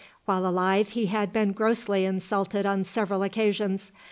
While alive, he had been grossly insulted on several occasions.